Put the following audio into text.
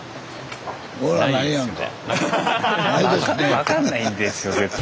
分かんないんですよ絶対。